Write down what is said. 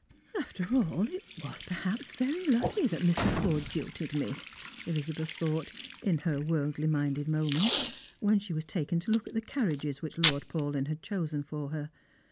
" After all, it was perhaps very lucky that Mr. Forde jilted me," Elizabeth thought in her worldly minded moments, when she was taken to look at the carriages which Lord Paulyn had chosen for her.